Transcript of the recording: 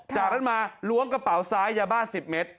จากนั้นมาล้วงกระเป๋าซ้ายยาบ้า๑๐เมตร